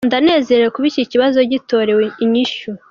"Ndanezerewe kuba iki kibazo gitorewe inyishu.